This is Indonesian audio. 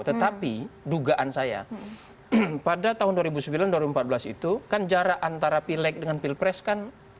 tetapi dugaan saya pada tahun dua ribu sembilan dua ribu empat belas itu kan jarak antara pileg dengan pilpres kan